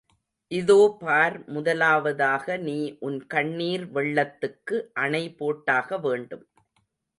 இதோ பார், முதலாவதாக நீ உன் கண்ணீர் வெள்ளத்துக்கு அணை போட்டாக வேணும்.